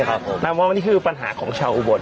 ครับผมแล้วมองว่านี่คือปัญหาของชาวอุบสถ์